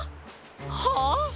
はあ！？